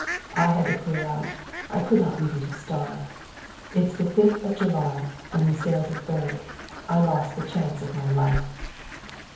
I had to clear out. I could not leave you to starve. It's the fifth of July, and we sailed the third. I lost the chance of my life!"